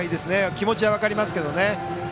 気持ちは分かりますけどね。